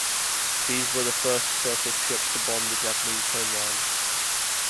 These were the first surface ships to bomb the Japanese homeland.